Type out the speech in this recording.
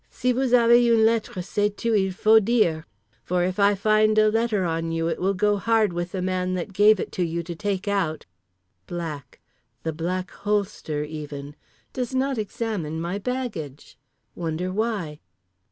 "Si vous avez une lettre, sais tu, il faut dire. For if I find a letter on you it will go hard with the man that gave it to you to take out." Black. The Black Holster even. Does not examine my baggage. Wonder why?